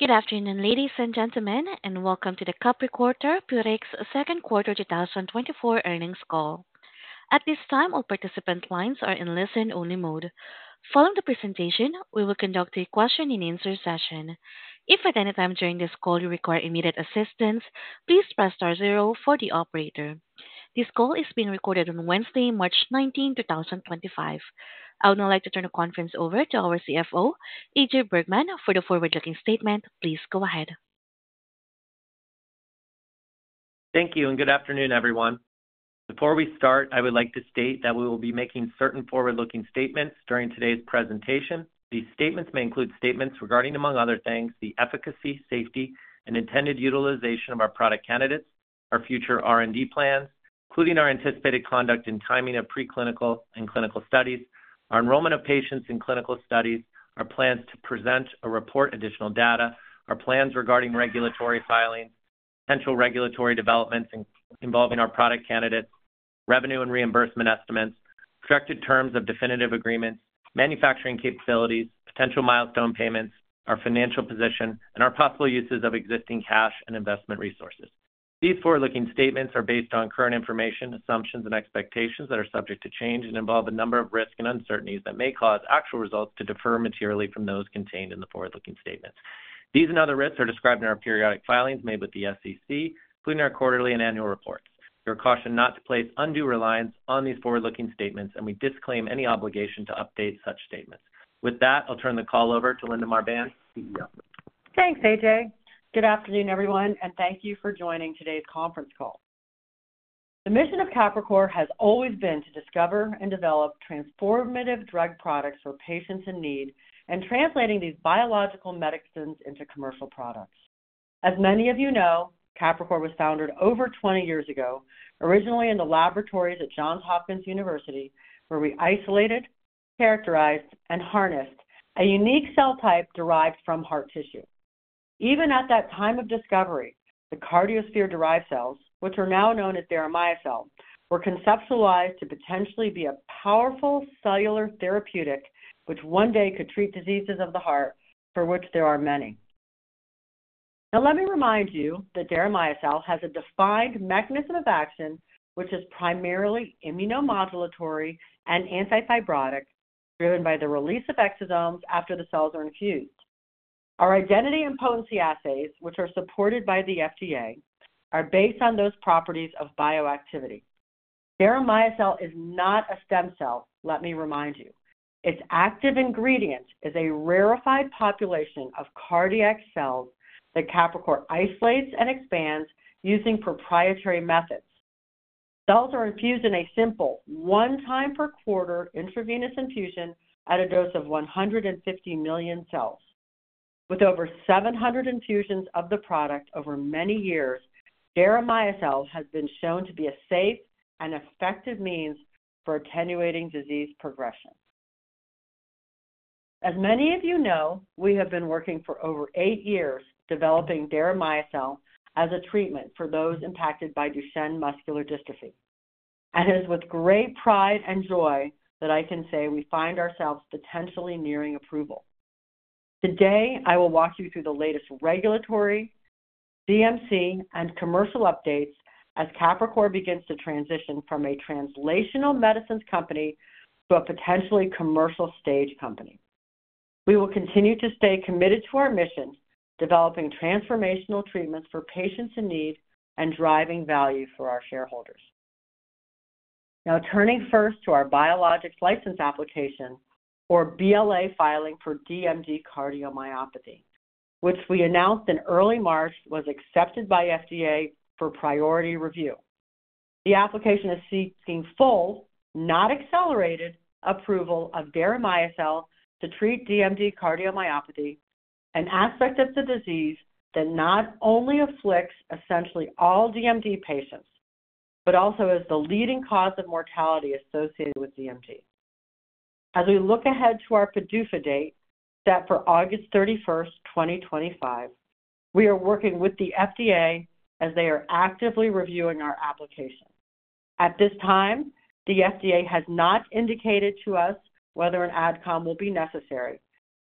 Good afternoon, ladies and gentlemen, and welcome to the Capricor Therapeutics Second Quarter 2024 Earnings Call. At this time, all participant lines are in listen-only mode. Following the presentation, we will conduct a question-and-answer session. If at any time during this call you require immediate assistance, please press * zero for the operator. This call is being recorded on Wednesday, March 19, 2025. I would now like to turn the conference over to our CFO, A.J. Bergmann, for the forward-looking statement. Please go ahead. Thank you, and good afternoon, everyone. Before we start, I would like to state that we will be making certain forward-looking statements during today's presentation. These statements may include statements regarding, among other things, the efficacy, safety, and intended utilization of our product candidates, our future R&D plans, including our anticipated conduct and timing of preclinical and clinical studies, our enrollment of patients in clinical studies, our plans to present or report additional data, our plans regarding regulatory filings, potential regulatory developments involving our product candidates, revenue and reimbursement estimates, projected terms of definitive agreements, manufacturing capabilities, potential milestone payments, our financial position, and our possible uses of existing cash and investment resources. These forward-looking statements are based on current information, assumptions, and expectations that are subject to change and involve a number of risks and uncertainties that may cause actual results to differ materially from those contained in the forward-looking statements. These and other risks are described in our periodic filings made with the SEC, including our quarterly and annual reports. We are cautioned not to place undue reliance on these forward-looking statements, and we disclaim any obligation to update such statements. With that, I'll turn the call over to Linda Marbán, CEO. Thanks, A.J. Bergmann. Good afternoon, everyone, and thank you for joining today's conference call. The mission of Capricor has always been to discover and develop transformative drug products for patients in need and translating these biological medicines into commercial products. As many of you know, Capricor was founded over 20 years ago, originally in the laboratories at Johns Hopkins University, where we isolated, characterized, and harnessed a unique cell type derived from heart tissue. Even at that time of discovery, the cardiosphere-derived cells, which are now known as deramyocel, were conceptualized to potentially be a powerful cellular therapeutic which one day could treat diseases of the heart for which there are many. Now, let me remind you that deramyocel have a defined mechanism of action which is primarily immunomodulatory and anti-fibrotic, driven by the release of exosomes after the cells are infused. Our identity and potency assays, which are supported by the FDA, are based on those properties of bioactivity. Theromyocyte is not a stem cell, let me remind you. Its active ingredient is a rarefied population of cardiac cells that Capricor isolates and expands using proprietary methods. Cells are infused in a simple, one-time-per-quarter intravenous infusion at a dose of 150 million cells. With over 700 infusions of the product over many years, deramyocel have been shown to be a safe and effective means for attenuating disease progression. As many of you know, we have been working for over eight years developing deramyocel as a treatment for those impacted by Duchenne muscular dystrophy. It is with great pride and joy that I can say we find ourselves potentially nearing approval. Today, I will walk you through the latest regulatory, CMC, and commercial updates as Capricor begins to transition from a translational medicines company to a potentially commercial stage company. We will continue to stay committed to our mission, developing transformational treatments for patients in need and driving value for our shareholders. Now, turning first to our biologics license application, or BLA filing for DMD cardiomyopathy, which we announced in early March was accepted by the FDA for priority review. The application is seeking full, not accelerated, approval of deramyocel to treat DMD cardiomyopathy, an aspect of the disease that not only afflicts essentially all DMD patients but also is the leading cause of mortality associated with DMD. As we look ahead to our PDUFA date set for August 31, 2025, we are working with the FDA as they are actively reviewing our application. At this time, the FDA has not indicated to us whether an AdCom will be necessary,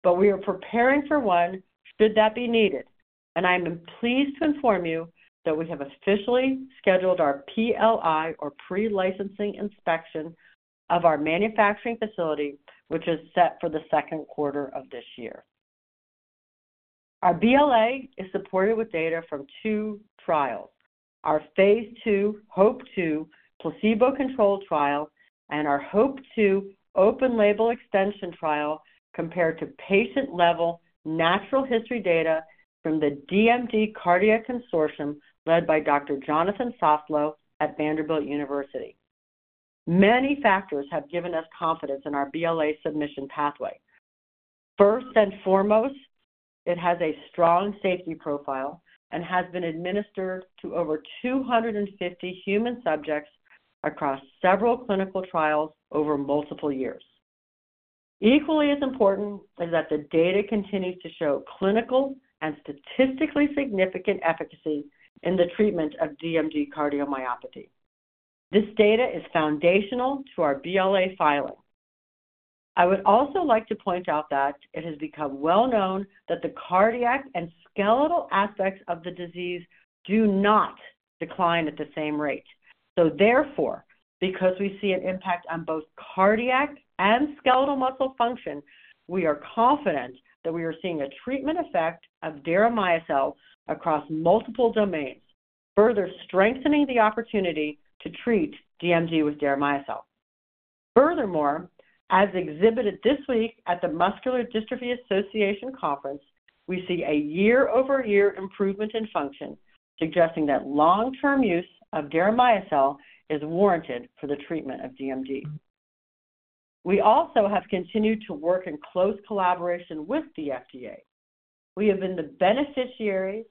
but we are preparing for one should that be needed, and I am pleased to inform you that we have officially scheduled our PLI, or pre-licensing inspection, of our manufacturing facility, which is set for the second quarter of this year. Our BLA is supported with data from two trials: our phase II, HOPE-2, placebo-controlled trial, and our HOPE-2 open-label extension trial compared to patient-level natural history data from the DMD Cardiac Consortium led by Dr. Jonathan Soslow at Vanderbilt University. Many factors have given us confidence in our BLA submission pathway. First and foremost, it has a strong safety profile and has been administered to over 250 human subjects across several clinical trials over multiple years. Equally as important is that the data continues to show clinical and statistically significant efficacy in the treatment of DMD cardiomyopathy. This data is foundational to our BLA filing. I would also like to point out that it has become well known that the cardiac and skeletal aspects of the disease do not decline at the same rate. Therefore, because we see an impact on both cardiac and skeletal muscle function, we are confident that we are seeing a treatment effect of deramyocel across multiple domains, further strengthening the opportunity to treat DMD with deramyocel. Furthermore, as exhibited this week at the Muscular Dystrophy Association Conference, we see a year-over-year improvement in function, suggesting that long-term use of deramyocel is warranted for the treatment of DMD. We also have continued to work in close collaboration with the FDA. We have been the beneficiaries.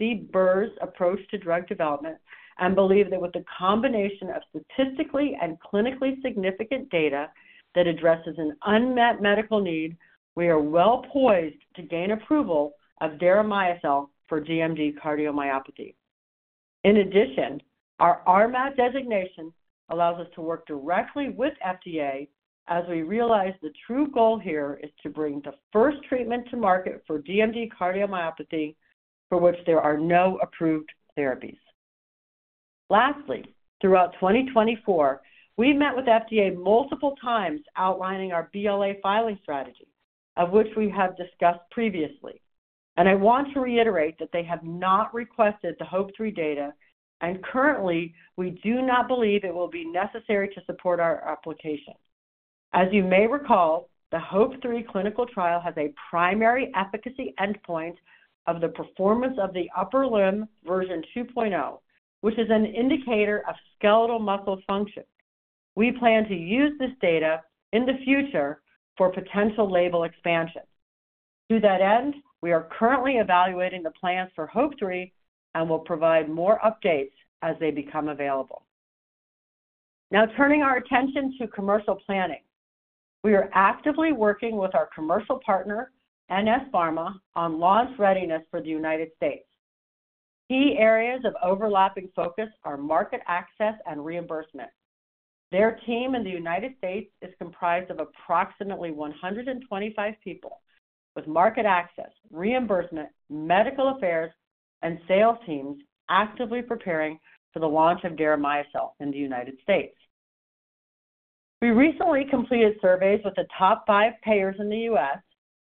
CBER approach to drug development and believe that with the combination of statistically and clinically significant data that addresses an unmet medical need, we are well poised to gain approval of deramyocel for DMD cardiomyopathy. In addition, our RMAT designation allows us to work directly with the FDA as we realize the true goal here is to bring the first treatment to market for DMD cardiomyopathy for which there are no approved therapies. Lastly, throughout 2024, we met with the FDA multiple times outlining our BLA filing strategy, of which we have discussed previously, and I want to reiterate that they have not requested the HOPE-3 data, and currently, we do not believe it will be necessary to support our application. As you may recall, the HOPE-3 clinical trial has a primary efficacy endpoint of the Performance of the Upper Limb version 2.0, which is an indicator of skeletal muscle function. We plan to use this data in the future for potential label expansion. To that end, we are currently evaluating the plans for HOPE-3 and will provide more updates as they become available. Now, turning our attention to commercial planning, we are actively working with our commercial partner, NS Pharma, on launch readiness for the United States. Key areas of overlapping focus are market access and reimbursement. Their team in the United States is comprised of approximately 125 people, with market access, reimbursement, medical affairs, and sales teams actively preparing for the launch of deramyocel in the United States. We recently completed surveys with the top five payers in the U.S.,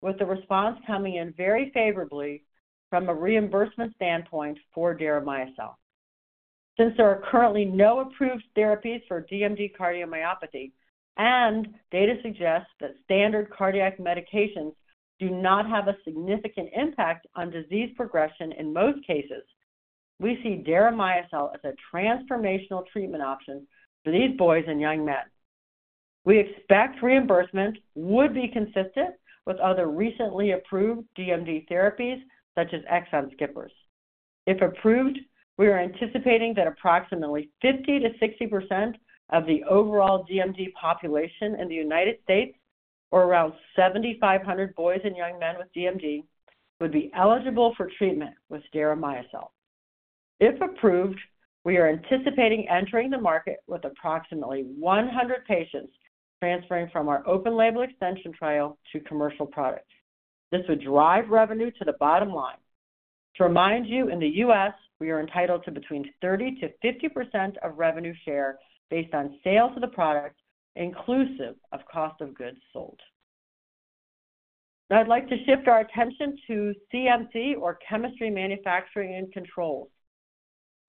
with the response coming in very favorably from a reimbursement standpoint for deramyocel. Since there are currently no approved therapies for DMD cardiomyopathy and data suggests that standard cardiac medications do not have a significant impact on disease progression in most cases, we see deramyocel as a transformational treatment option for these boys and young men. We expect reimbursement would be consistent with other recently approved DMD therapies such as exon skippers. If approved, we are anticipating that approximately 50-60% of the overall DMD population in the United States, or around 7,500 boys and young men with DMD, would be eligible for treatment with deramyocel. If approved, we are anticipating entering the market with approximately 100 patients transferring from our open-label extension trial to commercial products. This would drive revenue to the bottom line. To remind you, in the U.S., we are entitled to between 30-50% of revenue share based on sales of the product, inclusive of cost of goods sold. I'd like to shift our attention to CMC, or Chemistry, Manufacturing and Controls.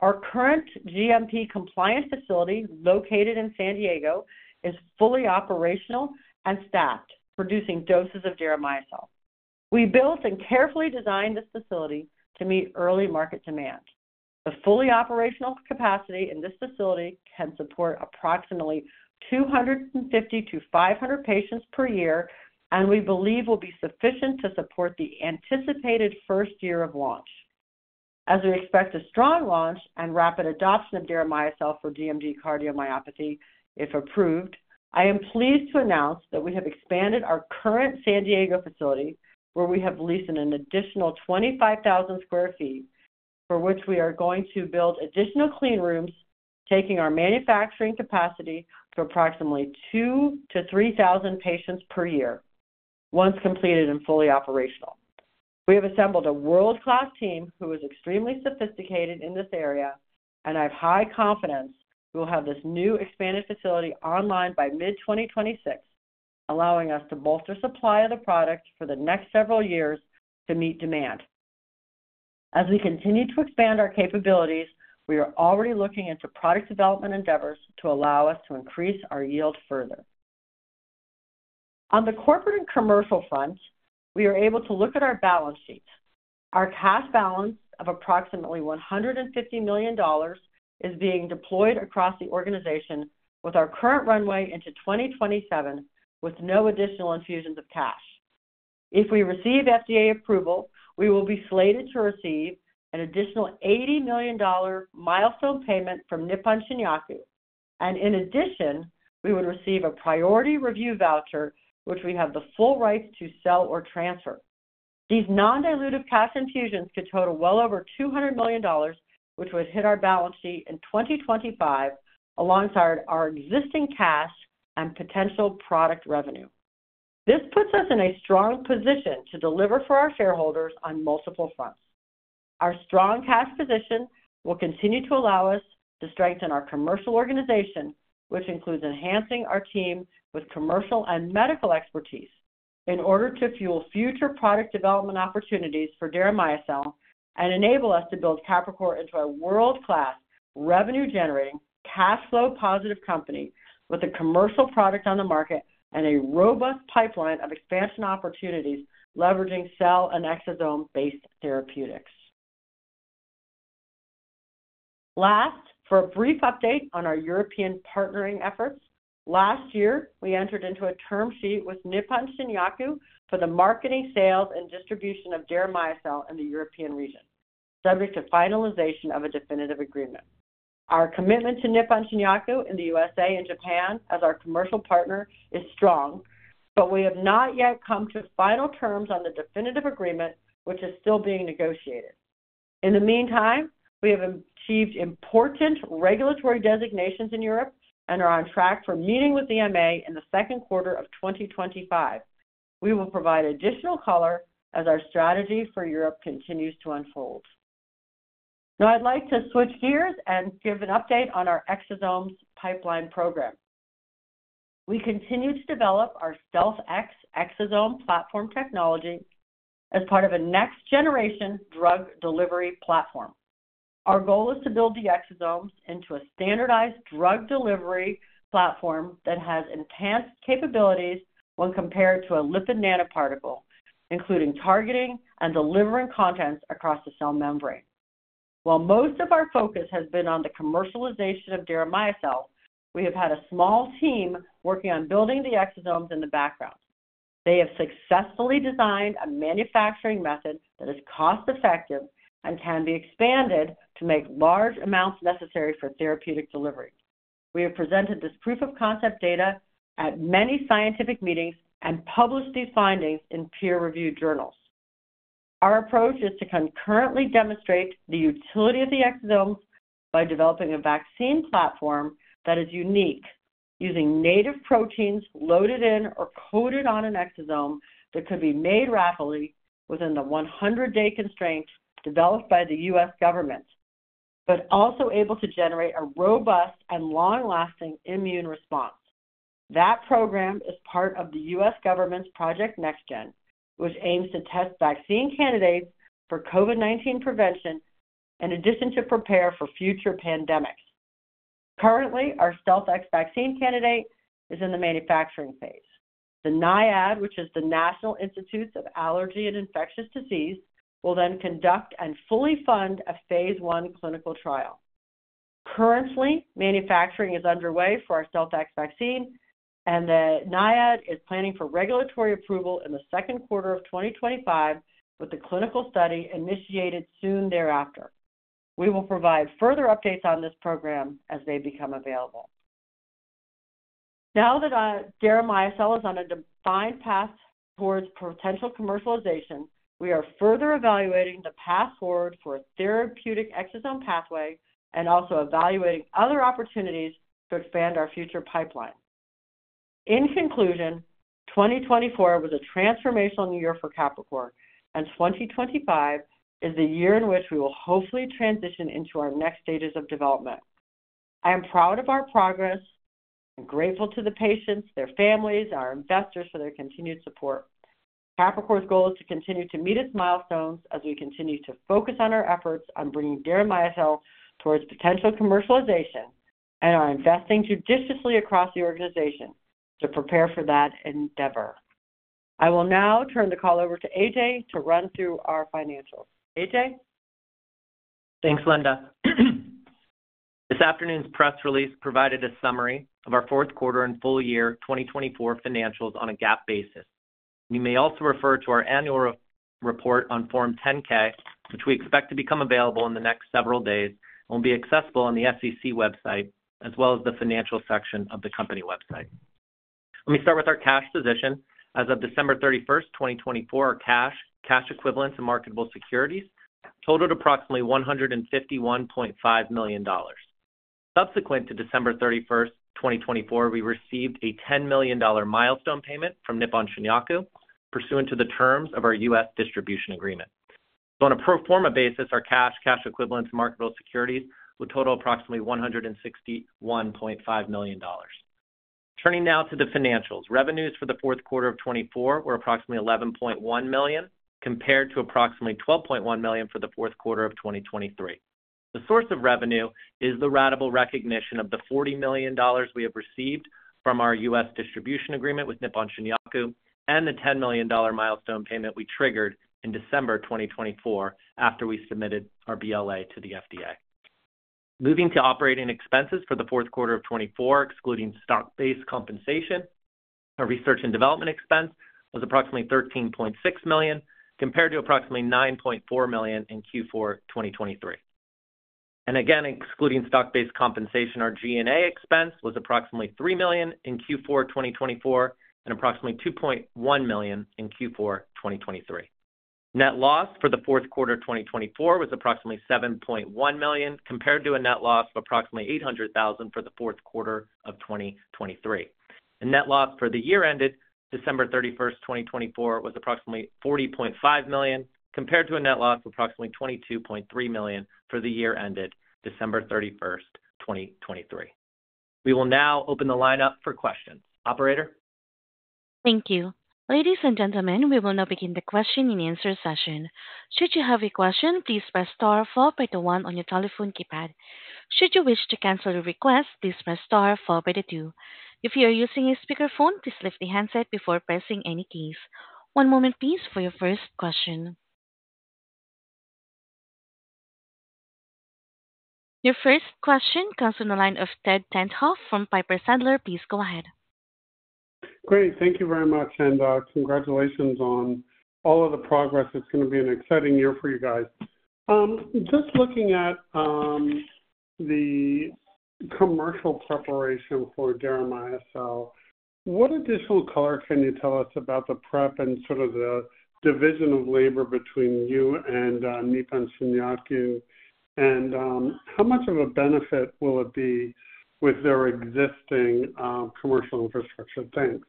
Our current GMP compliance facility located in San Diego is fully operational and staffed, producing doses of deramyocel. We built and carefully designed this facility to meet early market demand. The fully operational capacity in this facility can support approximately 250-500 patients per year, and we believe will be sufficient to support the anticipated first year of launch. As we expect a strong launch and rapid adoption of deramyocel for DMD cardiomyopathy if approved, I am pleased to announce that we have expanded our current San Diego facility, where we have leased an additional 25,000 sq ft, for which we are going to build additional clean rooms, taking our manufacturing capacity to approximately 2,000-3,000 patients per year once completed and fully operational. We have assembled a world-class team who is extremely sophisticated in this area, and I have high confidence we will have this new expanded facility online by mid-2026, allowing us to bolster supply of the product for the next several years to meet demand. As we continue to expand our capabilities, we are already looking into product development endeavors to allow us to increase our yield further. On the corporate and commercial front, we are able to look at our balance sheets. Our cash balance of approximately $150 million is being deployed across the organization with our current runway into 2027, with no additional infusions of cash. If we receive FDA approval, we will be slated to receive an additional $80 million milestone payment from Nippon Shinyaku, and in addition, we would receive a priority review voucher, which we have the full rights to sell or transfer. These non-dilutive cash infusions could total well over $200 million, which would hit our balance sheet in 2025 alongside our existing cash and potential product revenue. This puts us in a strong position to deliver for our shareholders on multiple fronts. Our strong cash position will continue to allow us to strengthen our commercial organization, which includes enhancing our team with commercial and medical expertise in order to fuel future product development opportunities for deramyocel and enable us to build Capricor into a world-class, revenue-generating, cash flow-positive company with a commercial product on the market and a robust pipeline of expansion opportunities leveraging cell and exosome-based therapeutics. Last, for a brief update on our European partnering efforts, last year we entered into a term sheet with Nippon Shinyaku for the marketing, sales, and distribution of deramyocel in the European region, subject to finalization of a definitive agreement. Our commitment to Nippon Shinyaku in the U.S.A. and Japan as our commercial partner is strong, but we have not yet come to final terms on the definitive agreement, which is still being negotiated. In the meantime, we have achieved important regulatory designations in Europe and are on track for meeting with the EMA in the second quarter of 2025. We will provide additional color as our strategy for Europe continues to unfold. Now, I'd like to switch gears and give an update on our exosomes pipeline program. We continue to develop our Stealth-X exosome platform technology as part of a next-generation drug delivery platform. Our goal is to build the exosomes into a standardized drug delivery platform that has enhanced capabilities when compared to a lipid nanoparticle, including targeting and delivering contents across the cell membrane. While most of our focus has been on the commercialization of deramyocel, we have had a small team working on building the exosomes in the background. They have successfully designed a manufacturing method that is cost-effective and can be expanded to make large amounts necessary for therapeutic delivery. We have presented this proof-of-concept data at many scientific meetings and published these findings in peer-reviewed journals. Our approach is to concurrently demonstrate the utility of the exosomes by developing a vaccine platform that is unique, using native proteins loaded in or coded on an exosome that could be made rapidly within the 100-day constraints developed by the U.S., government, but also able to generate a robust and long-lasting immune response. That program is part of the U.S., government's Project NextGen, which aims to test vaccine candidates for COVID-19 prevention in addition to prepare for future pandemics. Currently, our Stealth-X vaccine candidate is in the manufacturing phase. The NIAID, which is the National Institute of Allergy and Infectious Diseases, will then conduct and fully fund a phase I clinical trial. Currently, manufacturing is underway for our Stealth-X vaccine, and the NIAID is planning for regulatory approval in the second quarter of 2025, with the clinical study initiated soon thereafter. We will provide further updates on this program as they become available. Now that deramyocel are on a defined path towards potential commercialization, we are further evaluating the path forward for a therapeutic exosome pathway and also evaluating other opportunities to expand our future pipeline. In conclusion, 2024 was a transformational year for Capricor, and 2025 is the year in which we will hopefully transition into our next stages of development. I am proud of our progress and grateful to the patients, their families, and our investors for their continued support. Capricor's goal is to continue to meet its milestones as we continue to focus on our efforts on bringing deramyocel towards potential commercialization and are investing judiciously across the organization to prepare for that endeavor. I will now turn the call over to A.J. Bergmann to run through our financials. A.J. Bergmann? Thanks, Linda Marbán. This afternoon's press release provided a summary of our fourth quarter and full year 2024 financials on a GAAP basis. You may also refer to our annual report on Form 10-K, which we expect to become available in the next several days and will be accessible on the SEC website as well as the financial section of the company website. Let me start with our cash position. As of December 31, 2024, our cash, cash equivalents, and marketable securities totaled approximately $151.5 million. Subsequent to December 31, 2024, we received a $10 million milestone payment from Nippon Shinyaku pursuant to the terms of our U.S. distribution agreement. On a pro forma basis, our cash, cash equivalents, and marketable securities would total approximately $161.5 million. Turning now to the financials, revenues for the fourth quarter of 2024 were approximately $11.1 million compared to approximately $12.1 million for the fourth quarter of 2023. The source of revenue is the ratable recognition of the $40 million we have received from our U.S. distribution agreement with Nippon Shinyaku and the $10 million milestone payment we triggered in December 2024 after we submitted our BLA to the FDA. Moving to operating expenses for the fourth quarter of 2024, excluding stock-based compensation, our research and development expense was approximately $13.6 million compared to approximately $9.4 million in Q4 2023. Again, excluding stock-based compensation, our G&A expense was approximately $3 million in Q4 2024 and approximately $2.1 million in Q4 2023. Net loss for the fourth quarter of 2024 was approximately $7.1 million compared to a net loss of approximately $800,000 for the fourth quarter of 2023. The net loss for the year ended December 31, 2024, was approximately $40.5 million compared to a net loss of approximately $22.3 million for the year ended December 31, 2023. We will now open the lineup for questions. Operator? Thank you. Ladies and gentlemen, we will now begin the question and answer session. Should you have a question, please press *4 or press 1 on your telephone keypad. Should you wish to cancel your request, please press *4 or press 2. If you are using a speakerphone, please lift the handset before pressing any keys. One moment, please, for your first question. Your first question comes from the line of Ed Tenthoff from Piper Sandler. Please go ahead. Great. Thank you very much, and congratulations on all of the progress. It's going to be an exciting year for you guys. Just looking at the commercial preparation for deramyocel, what additional color can you tell us about the prep and sort of the division of labor between you and Nippon Shinyaku? How much of a benefit will it be with their existing commercial infrastructure? Thanks.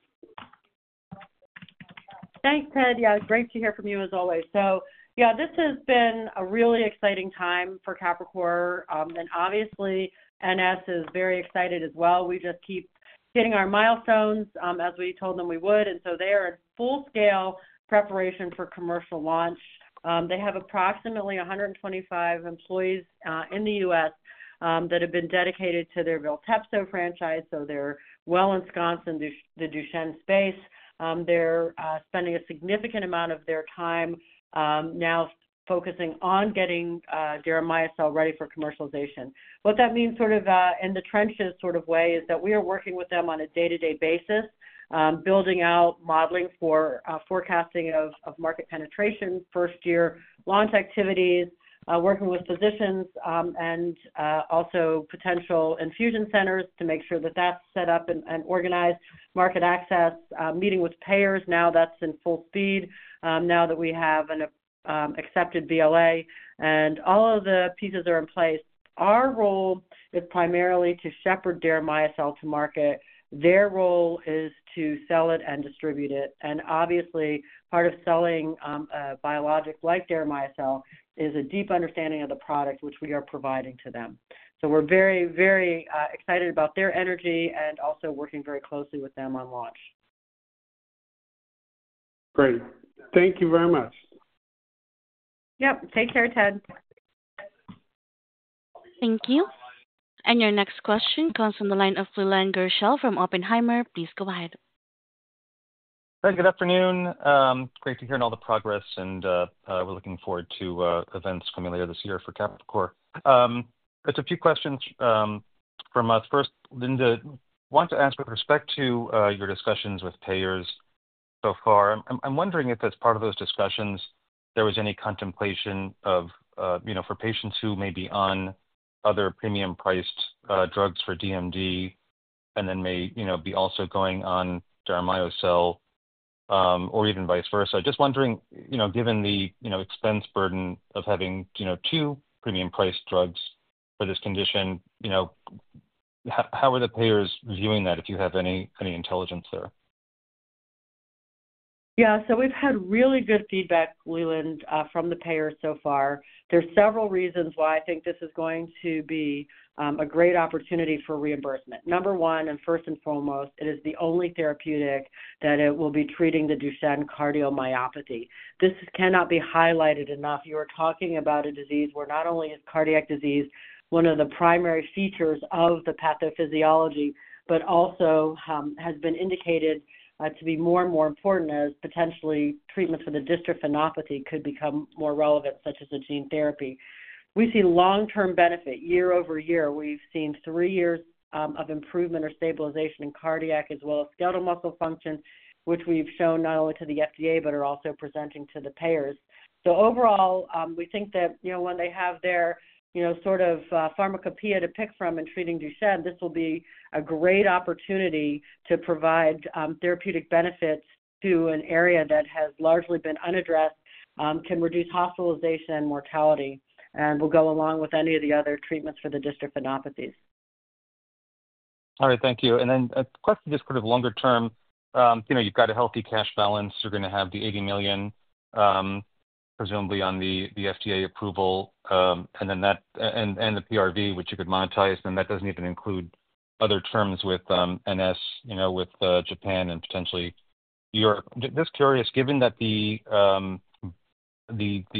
Thanks, Ed. Yeah, great to hear from you as always. This has been a really exciting time for Capricor, and obviously, NS is very excited as well. We just keep hitting our milestones as we told them we would, and they are in full-scale preparation for commercial launch. They have approximately 125 employees in the U.S. that have been dedicated to their Viltepso franchise, so they're well ensconced in the Duchenne space. They're spending a significant amount of their time now focusing on getting deramyocel ready for commercialization. What that means, sort of in the trenches sort of way, is that we are working with them on a day-to-day basis, building out modeling for forecasting of market penetration, first-year launch activities, working with physicians, and also potential infusion centers to make sure that that's set up and organized, market access, meeting with payers. Now that's in full speed now that we have an accepted BLA, and all of the pieces are in place. Our role is primarily to shepherd deramyocel to market. Their role is to sell it and distribute it. Obviously, part of selling a biologic like deramyocel is a deep understanding of the product, which we are providing to them. We're very, very excited about their energy and also working very closely with them on launch. Great. Thank you very much. Yep. Take care, Edward Tenthoff. Thank you. Your next question comes from the line of Leland Gershell from Oppenheimer. Please go ahead. Hi, good afternoon. Great to hear all the progress, and we're looking forward to events coming later this year for Capricor. There's a few questions from us. First, Linda Marbán, I want to ask with respect to your discussions with payers so far. I'm wondering if as part of those discussions, there was any contemplation of for patients who may be on other premium-priced drugs for DMD and then may be also going on deramyocel or even vice versa. Just wondering, given the expense burden of having two premium-priced drugs for this condition, how are the payers viewing that, if you have any intelligence there? Yeah, so we've had really good feedback, Leland Gershell, from the payers so far. There's several reasons why I think this is going to be a great opportunity for reimbursement. Number one, and first and foremost, it is the only therapeutic that will be treating the Duchenne cardiomyopathy. This cannot be highlighted enough. You are talking about a disease where not only is cardiac disease one of the primary features of the pathophysiology, but also has been indicated to be more and more important as potentially treatment for the dystrophinopathy could become more relevant, such as a gene therapy. We see long-term benefit year over year. We've seen three years of improvement or stabilization in cardiac as well as skeletal muscle function, which we've shown not only to the FDA but are also presenting to the payers. Overall, we think that when they have their sort of pharmacopeia to pick from in treating Duchenne, this will be a great opportunity to provide therapeutic benefits to an area that has largely been unaddressed, can reduce hospitalization and mortality, and will go along with any of the other treatments for the dystrophinopathies. All right. Thank you. A question just sort of longer term. You've got a healthy cash balance. You're going to have the $80 million, presumably on the FDA approval, and the PRV, which you could monetize. That does not even include other terms with NS, with Japan, and potentially Europe. Just curious, given that the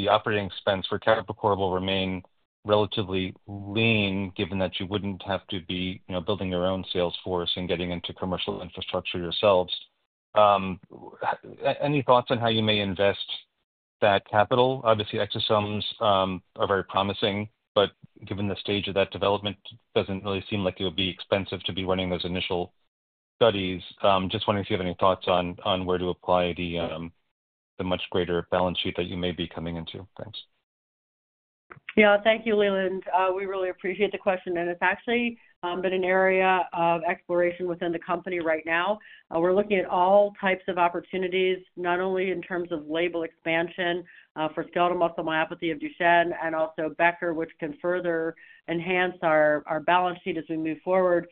operating expense for Capricor will remain relatively lean, given that you would not have to be building your own sales force and getting into commercial infrastructure yourselves, any thoughts on how you may invest that capital? Obviously, exosomes are very promising, but given the stage of that development, it doesn't really seem like it would be expensive to be running those initial studies. Just wondering if you have any thoughts on where to apply the much greater balance sheet that you may be coming into. Thanks. Yeah, thank you, Leland Gershell. We really appreciate the question, and it's actually been an area of exploration within the company right now. We're looking at all types of opportunities, not only in terms of label expansion for skeletal muscle myopathy of Duchenne and also Becker, which can further enhance our balance sheet as we move forward.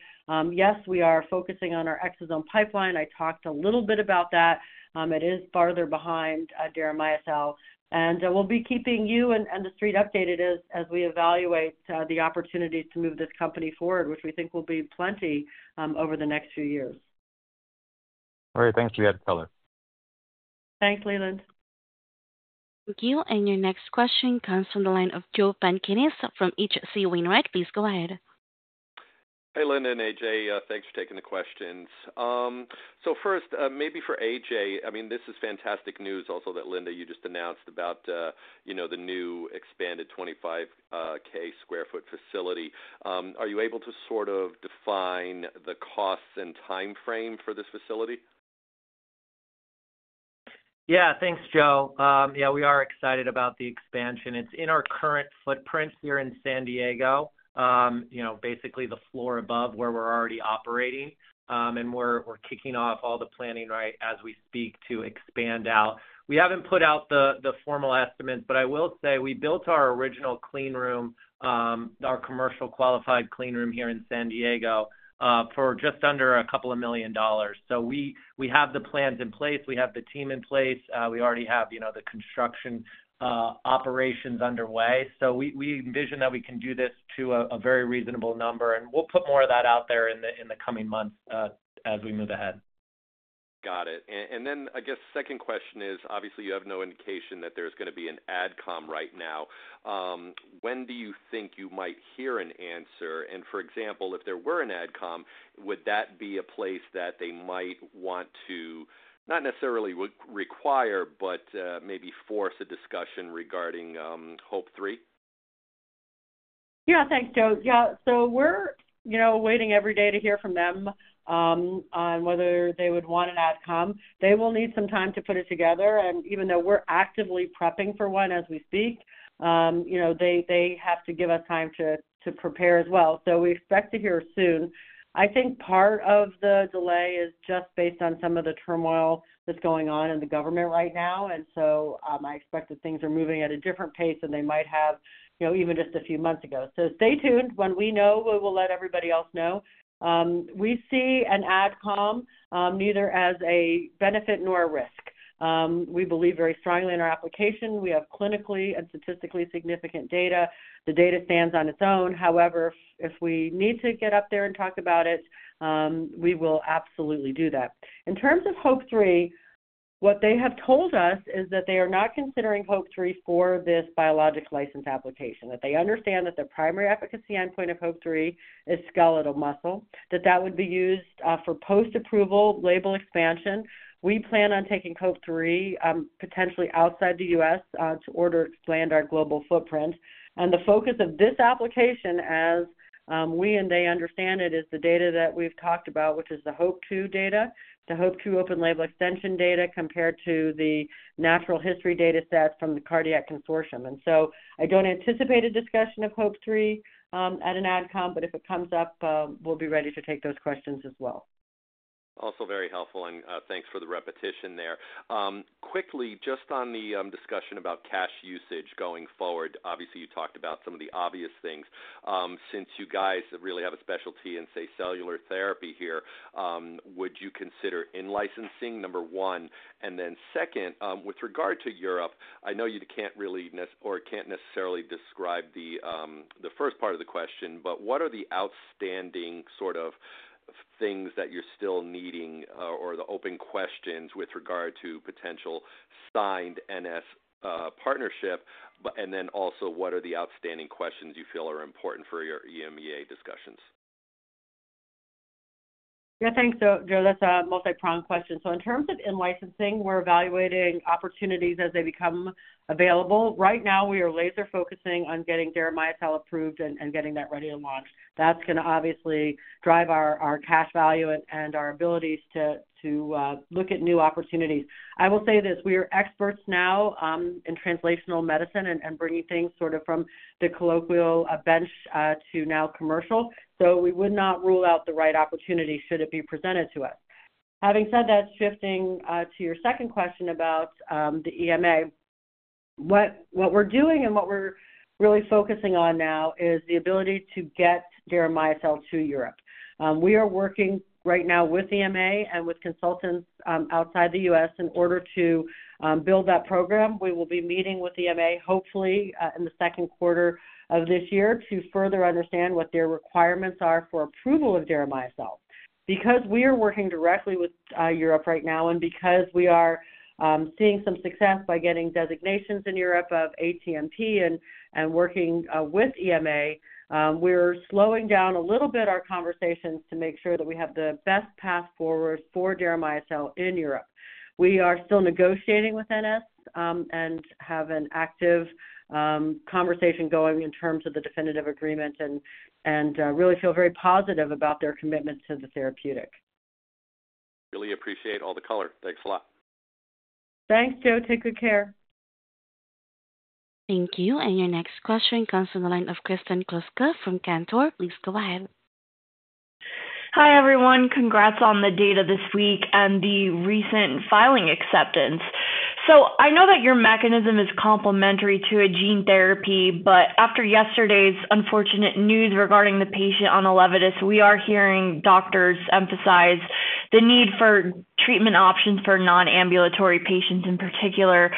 Yes, we are focusing on our exosome pipeline. I talked a little bit about that. It is farther behind deramyocel. We will be keeping you and the street updated as we evaluate the opportunities to move this company forward, which we think will be plenty over the next few years. All right. Thanks, Leland Gershell. Thanks, Leland Gershell. Thank you. Your next question comes from the line of Joseph Pantginis from H.C. Wainwright. Please go ahead. Hey, Leland Gershell and A.J. Bergmann. Thanks for taking the questions. First, maybe for A.J. Bergmann, I mean, this is fantastic news also that, Linda Marbán, you just announced about the new expanded $25,000 square foot facility. Are you able to sort of define the costs and timeframe for this facility? Yeah. Thanks, Joseph Pantginis. Yeah, we are excited about the expansion. It is in our current footprint here in San Diego, basically the floor above where we are already operating. We are kicking off all the planning right as we speak to expand out. We have not put out the formal estimates, but I will say we built our original clean room, our commercial qualified clean room here in San Diego, for just under a couple of million dollars. We have the plans in place. We have the team in place. We already have the construction operations underway. We envision that we can do this to a very reasonable number, and we will put more of that out there in the coming months as we move ahead. Got it. I guess the second question is, obviously, you have no indication that there is going to be an AdCom right now. When do you think you might hear an answer? For example, if there were an AdCom, would that be a place that they might want to not necessarily require, but maybe force a discussion regarding HOPE-3? Yeah. Thanks, Joseph Pantginis. Yeah. We're waiting every day to hear from them on whether they would want an AdCom. They will need some time to put it together. Even though we're actively prepping for one as we speak, they have to give us time to prepare as well. We expect to hear soon. I think part of the delay is just based on some of the turmoil that's going on in the government right now. I expect that things are moving at a different pace than they might have even just a few months ago. Stay tuned. When we know, we will let everybody else know. We see an AdCom neither as a benefit nor a risk. We believe very strongly in our application. We have clinically and statistically significant data. The data stands on its own. However, if we need to get up there and talk about it, we will absolutely do that. In terms of HOPE-3, what they have told us is that they are not considering HOPE-3 for this biologics license application, that they understand that the primary efficacy endpoint of HOPE-3 is skeletal muscle, that that would be used for post-approval label expansion. We plan on taking HOPE-3 potentially outside the U.S. to expand our global footprint. The focus of this application, as we and they understand it, is the data that we've talked about, which is the HOPE-2 data, the HOPE-2 open label extension data compared to the natural history data sets from the cardiac consortium. I don't anticipate a discussion of HOPE-3 at an AdCom, but if it comes up, we'll be ready to take those questions as well. Also very helpful, and thanks for the repetition there. Quickly, just on the discussion about cash usage going forward, obviously, you talked about some of the obvious things. Since you guys really have a specialty in, say, cellular therapy here, would you consider in-licensing, number one? Then second, with regard to Europe, I know you can't really or can't necessarily describe the first part of the question, but what are the outstanding sort of things that you're still needing or the open questions with regard to potential signed NS partnership? Also, what are the outstanding questions you feel are important for your EMEA discussions? Yeah. Thanks, Joseph Pantginis. That's a multi-pronged question. In terms of in-licensing, we're evaluating opportunities as they become available. Right now, we are laser-focusing on getting deramyocel approved and getting that ready to launch. That's going to obviously drive our cash value and our abilities to look at new opportunities. I will say this: we are experts now in translational medicine and bringing things sort of from the colloquial bench to now commercial. We would not rule out the right opportunity should it be presented to us. Having said that, shifting to your second question about the EMA, what we're doing and what we're really focusing on now is the ability to get deramyocel to Europe. We are working right now with EMA and with consultants outside the U.S. in order to build that program. We will be meeting with EMA, hopefully, in the second quarter of this year to further understand what their requirements are for approval of deramyocel. Because we are working directly with Europe right now and because we are seeing some success by getting designations in Europe of ATMP and working with EMA, we're slowing down a little bit our conversations to make sure that we have the best path forward for deramyocel in Europe. We are still negotiating with NS and have an active conversation going in terms of the definitive agreement and really feel very positive about their commitment to the therapeutic. Really appreciate all the color. Thanks a lot. Thanks, Joseph Pantginis. Take good care. Thank you. Your next question comes from the line of Kristen Kluska from Cantor. Please go ahead. Hi, everyone. Congrats on the data this week and the recent filing acceptance. I know that your mechanism is complementary to a gene therapy, but after yesterday's unfortunate news regarding the patient on ELEVIDYS, we are hearing doctors emphasize the need for treatment options for non-ambulatory patients in particular.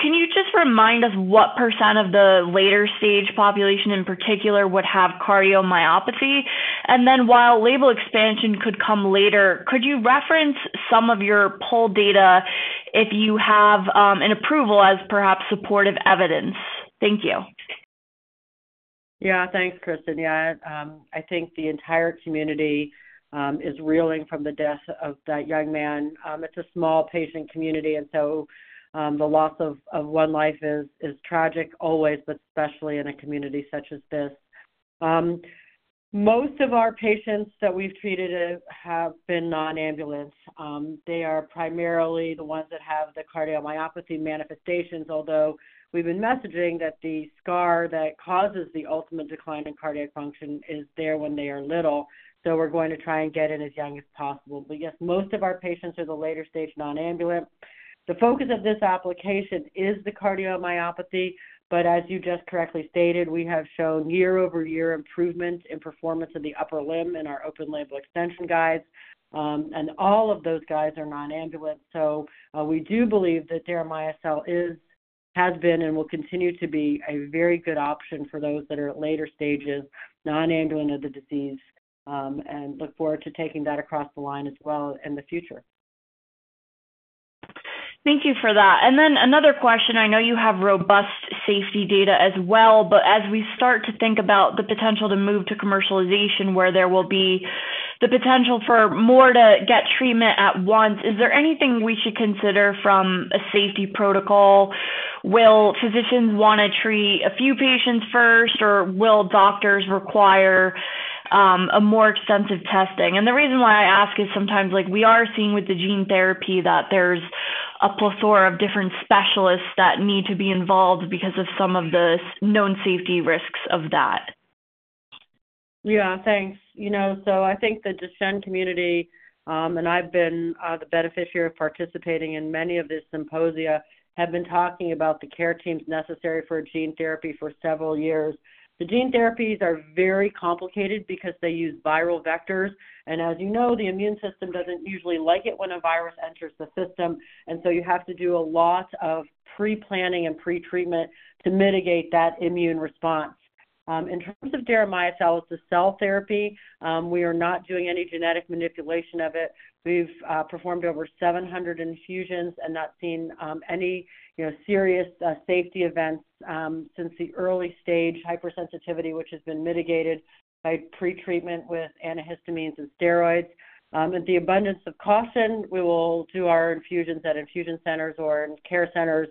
Can you just remind us what % of the later-stage population in particular would have cardiomyopathy? While label expansion could come later, could you reference some of your poll data if you have an approval as perhaps supportive evidence? Thank you. Yeah. Thanks, Kristen. Yeah, I think the entire community is reeling from the death of that young man. It's a small patient community, and the loss of one life is tragic always, but especially in a community such as this. Most of our patients that we've treated have been non-ambulatory. They are primarily the ones that have the cardiomyopathy manifestations, although we have been messaging that the scar that causes the ultimate decline in cardiac function is there when they are little. We are going to try and get in as young as possible. Yes, most of our patients are the later-stage non-ambulant. The focus of this application is the cardiomyopathy, as you just correctly stated, we have shown year-over-year improvement in performance of the upper limb in our open label extension guides. All of those guides are non-ambulant. We do believe that deramyocel has been and will continue to be a very good option for those that are at later stages non-ambulant of the disease and look forward to taking that across the line as well in the future. Thank you for that. Another question. I know you have robust safety data as well, but as we start to think about the potential to move to commercialization where there will be the potential for more to get treatment at once, is there anything we should consider from a safety protocol? Will physicians want to treat a few patients first, or will doctors require a more extensive testing? The reason why I ask is sometimes we are seeing with the gene therapy that there's a plethora of different specialists that need to be involved because of some of the known safety risks of that. Yeah. Thanks. I think the Duchenne community, and I've been the beneficiary of participating in many of these symposia, have been talking about the care teams necessary for gene therapy for several years. The gene therapies are very complicated because they use viral vectors. As you know, the immune system doesn't usually like it when a virus enters the system. You have to do a lot of pre-planning and pre-treatment to mitigate that immune response. In terms of deramyocel, it's a cell therapy. We are not doing any genetic manipulation of it. We've performed over 700 infusions and not seen any serious safety events since the early-stage hypersensitivity, which has been mitigated by pre-treatment with antihistamines and steroids. Out of an abundance of caution, we will do our infusions at infusion centers or in care centers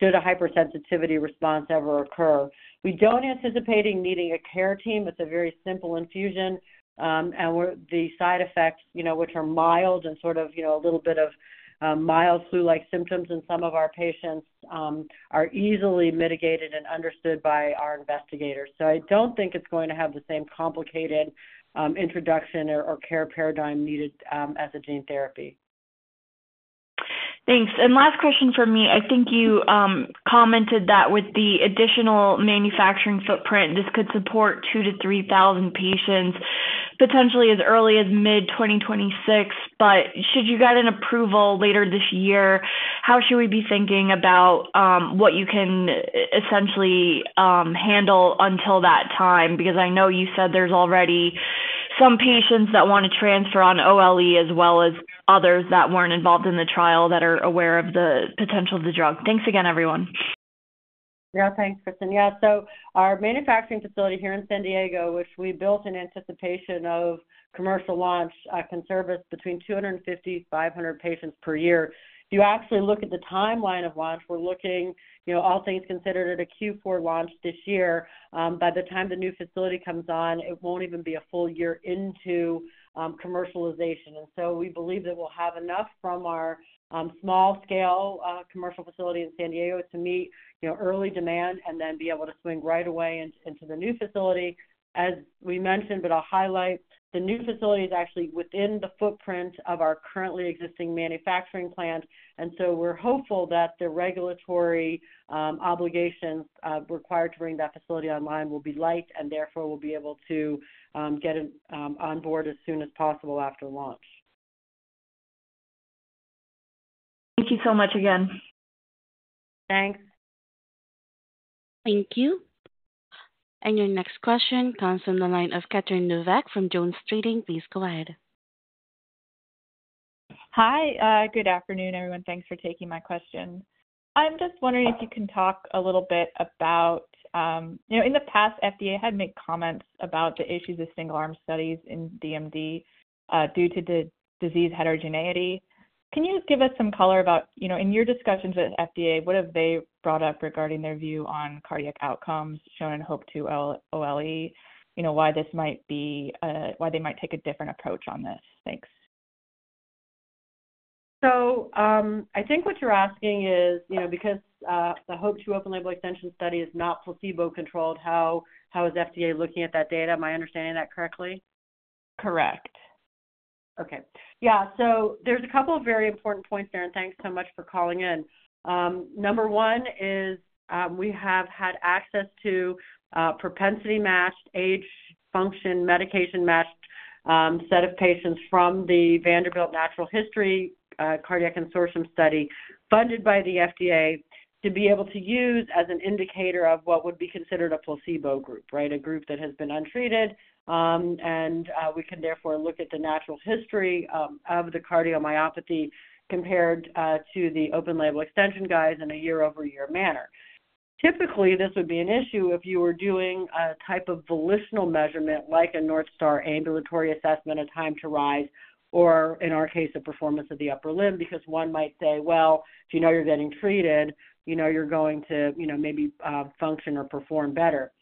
should a hypersensitivity response ever occur. We don't anticipate needing a care team. It's a very simple infusion. The side effects, which are mild and sort of a little bit of mild flu-like symptoms in some of our patients, are easily mitigated and understood by our investigators. I do not think it is going to have the same complicated introduction or care paradigm needed as a gene therapy. Thanks. Last question for me. I think you commented that with the additional manufacturing footprint, this could support 2,000-3,000 patients potentially as early as mid-2026. Should you get an approval later this year, how should we be thinking about what you can essentially handle until that time? I know you said there are already some patients that want to transfer on OLE as well as others that were not involved in the trial that are aware of the potential of the drug. Thanks again, everyone. Yeah. Thanks, Kristen. Our manufacturing facility here in San Diego, which we built in anticipation of commercial launch, can service between 250-500 patients per year. If you actually look at the timeline of launch, we're looking, all things considered, at a Q4 launch this year. By the time the new facility comes on, it won't even be a full year into commercialization. We believe that we'll have enough from our small-scale commercial facility in San Diego to meet early demand and then be able to swing right away into the new facility. As we mentioned, but I'll highlight, the new facility is actually within the footprint of our currently existing manufacturing plant. We're hopeful that the regulatory obligations required to bring that facility online will be light, and therefore, we'll be able to get it on board as soon as possible after launch. Thank you so much again. Thanks. Thank you. Your next question comes from the line of Catherine Novack from JonesTrading. Please go ahead. Hi. Good afternoon, everyone. Thanks for taking my question. I'm just wondering if you can talk a little bit about in the past, FDA had made comments about the issues of single-arm studies in DMD due to the disease heterogeneity. Can you give us some color about, in your discussions with FDA, what have they brought up regarding their view on cardiac outcomes shown in HOPE-2 OLE, why this might be why they might take a different approach on this? Thanks. I think what you're asking is, because the HOPE-2 open label extension study is not placebo-controlled, how is FDA looking at that data? Am I understanding that correctly? Correct. Okay. Yeah. There's a couple of very important points there, and thanks so much for calling in. Number one is we have had access to propensity-matched, age-function medication-matched set of patients from the Vanderbilt Natural History Cardiac Consortium study funded by the FDA to be able to use as an indicator of what would be considered a placebo group, right, a group that has been untreated. We can therefore look at the natural history of the cardiomyopathy compared to the open label extension guides in a year-over-year manner. Typically, this would be an issue if you were doing a type of volitional measurement like a North Star Ambulatory Assessment of time to rise or, in our case, a performance of the upper limb, because one might say, "Well, if you know you're getting treated, you know you're going to maybe function or perform better."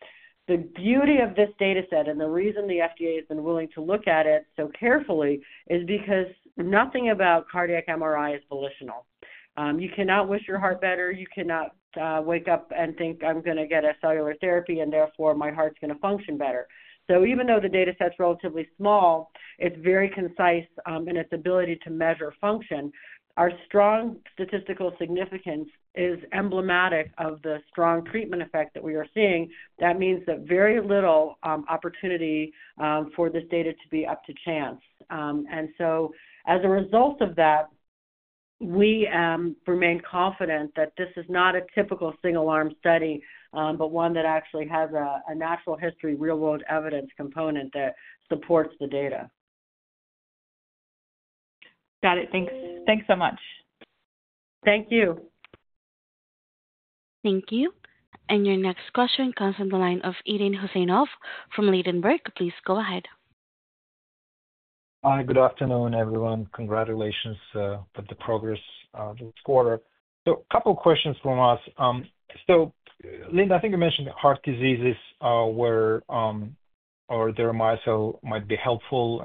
The beauty of this data set and the reason the FDA has been willing to look at it so carefully is because nothing about cardiac MRI is volitional. You cannot wish your heart better. You cannot wake up and think, "I'm going to get a cellular therapy, and therefore, my heart's going to function better." Even though the data set's relatively small, it's very concise in its ability to measure function. Our strong statistical significance is emblematic of the strong treatment effect that we are seeing. That means that very little opportunity for this data to be up to chance. As a result of that, we remain confident that this is not a typical single-arm study, but one that actually has a natural history real-world evidence component that supports the data. Got it. Thanks. Thanks so much. Thank you. Thank you. Your next question comes from the line of Aydin Huseynov from Ladenburg. Please go ahead. Hi. Good afternoon, everyone. Congratulations on the progress this quarter. A couple of questions from us. Linda Marbán, I think you mentioned heart diseases where deramyocel might be helpful.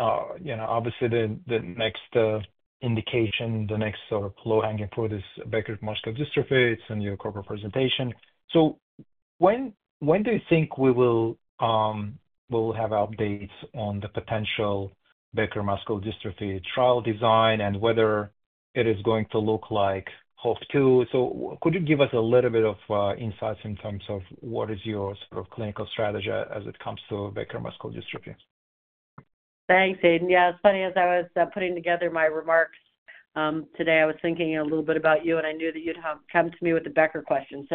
Obviously, the next indication, the next sort of low-hanging fruit is Becker muscular dystrophy. It's in your corporate presentation. When do you think we will have updates on the potential Becker muscular dystrophy trial design and whether it is going to look like HOPE-2? Could you give us a little bit of insights in terms of what is your sort of clinical strategy as it comes to Becker muscular dystrophy? Thanks, Eden. Yeah. As funny as I was putting together my remarks today, I was thinking a little bit about you, and I knew that you'd come to me with the Becker question.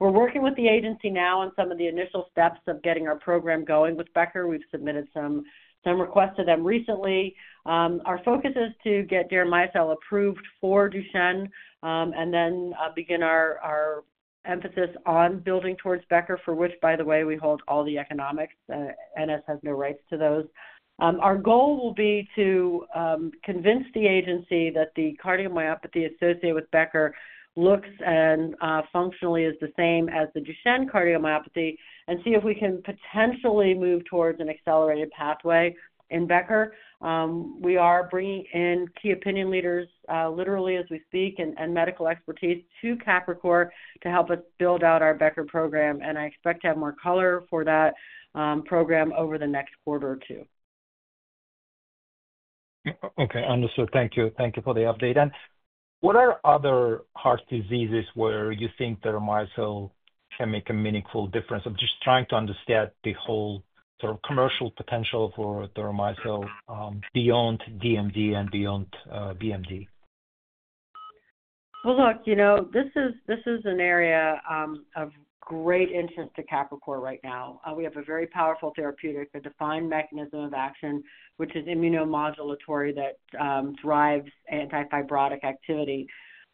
We're working with the agency now on some of the initial steps of getting our program going with Becker. We've submitted some requests to them recently. Our focus is to get deramyocel approved for Duchenne and then begin our emphasis on building towards Becker, for which, by the way, we hold all the economics. NS has no rights to those. Our goal will be to convince the agency that the cardiomyopathy associated with Becker looks and functionally is the same as the Duchenne cardiomyopathy and see if we can potentially move towards an accelerated pathway in Becker. We are bringing in key opinion leaders literally as we speak and medical expertise to Capricor to help us build out our Becker program. I expect to have more color for that program over the next quarter or two. Okay. Understood. Thank you. Thank you for the update. What are other heart diseases where you think deramyocel can make a meaningful difference? I'm just trying to understand the whole sort of commercial potential for deramyocel beyond DMD and beyond BMD. This is an area of great interest to Capricor right now. We have a very powerful therapeutic, a defined mechanism of action, which is immunomodulatory that drives anti-fibrotic activity.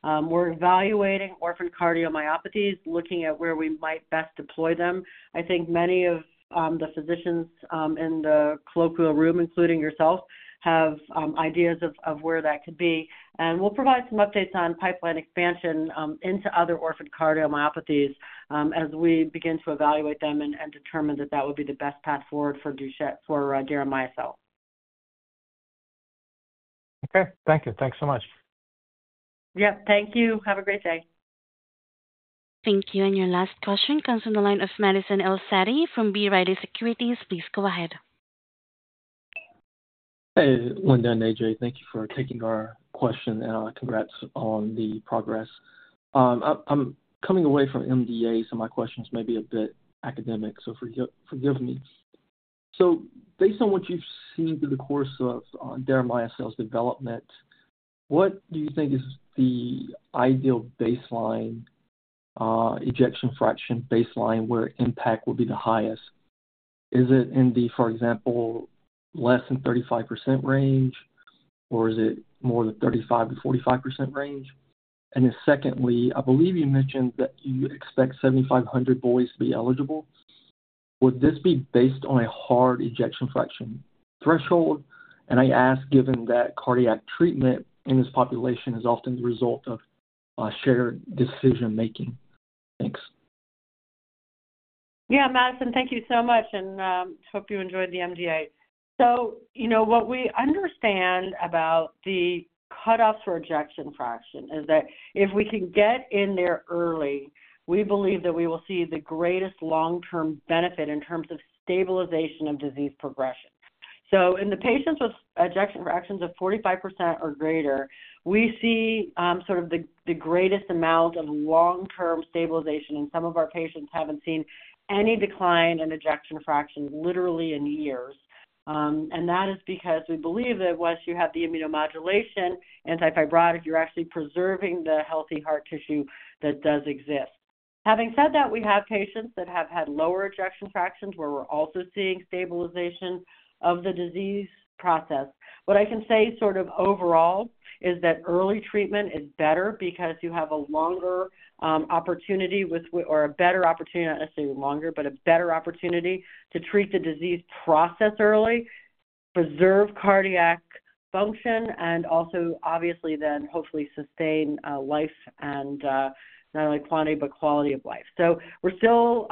We're evaluating orphan cardiomyopathies, looking at where we might best deploy them. I think many of the physicians in the colloquial room, including yourself, have ideas of where that could be. We'll provide some updates on pipeline expansion into other orphan cardiomyopathies as we begin to evaluate them and determine that that would be the best path forward for deramyocel. Thank you. Thanks so much. Yep. Thank you. Have a great day. Thank you. Your last question comes from the line of Madison El-Saadi from B. Riley Securities. Please go ahead. Hey, Linda Marbán and A.J. Bergmann, thank you for taking our question, and congrats on the progress. I'm coming away from MDA, so my questions may be a bit academic, so forgive me. Based on what you've seen through the course of deramyocel development, what do you think is the ideal baseline ejection fraction baseline where impact will be the highest? Is it in the, for example, less than 35% range, or is it more the 35-45% range? Secondly, I believe you mentioned that you expect 7,500 boys to be eligible. Would this be based on a hard ejection fraction threshold? I ask, given that cardiac treatment in this population is often the result of shared decision-making. Thanks. Yeah, Madison, thank you so much, and hope you enjoyed the MDA. What we understand about the cutoff for ejection fraction is that if we can get in there early, we believe that we will see the greatest long-term benefit in terms of stabilization of disease progression. In the patients with ejection fractions of 45% or greater, we see sort of the greatest amount of long-term stabilization. Some of our patients have not seen any decline in ejection fraction literally in years. That is because we believe that once you have the immunomodulation, anti-fibrotic, you are actually preserving the healthy heart tissue that does exist. Having said that, we have patients that have had lower ejection fractions where we are also seeing stabilization of the disease process. What I can say sort of overall is that early treatment is better because you have a longer opportunity with or a better opportunity, not necessarily longer, but a better opportunity to treat the disease process early, preserve cardiac function, and also, obviously, then hopefully sustain life and not only quantity but quality of life. We are still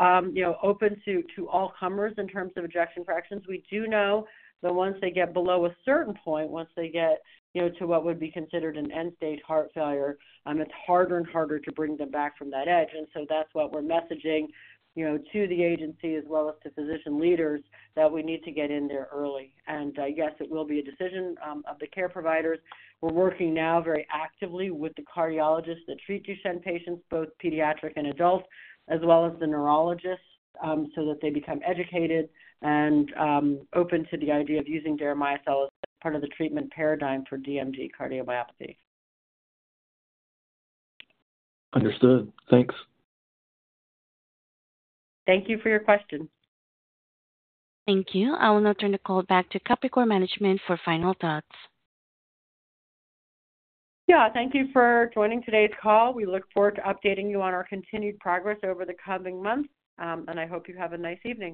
open to all comers in terms of ejection fractions. We do know that once they get below a certain point, once they get to what would be considered an end-stage heart failure, it's harder and harder to bring them back from that edge. That is what we're messaging to the agency as well as to physician leaders that we need to get in there early. Yes, it will be a decision of the care providers. We're working now very actively with the cardiologists that treat Duchenne patients, both pediatric and adult, as well as the neurologists so that they become educated and open to the idea of using deramyocel as part of the treatment paradigm for DMD cardiomyopathy. Understood. Thanks. Thank you for your question. Thank you. I will now turn the call back to Capricor Management for final thoughts. Yeah. Thank you for joining today's call. We look forward to updating you on our continued progress over the coming months, and I hope you have a nice evening.